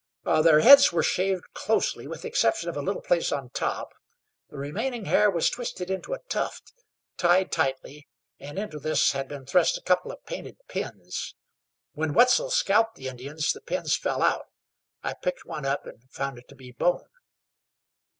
"Their heads were shaved closely, with the exception of a little place on top. The remaining hair was twisted into a tuft, tied tightly, and into this had been thrust a couple of painted pins. When Wetzel scalped the Indians the pins fell out. I picked one up, and found it to be bone."